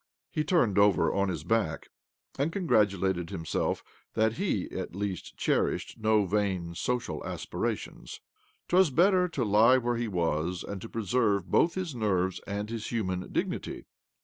" He turned over on his back and con gratulated himself that he at least cherished no vain social aspirations. 'Twas better to lie where he was and to preserve both his nerves and his human dignity.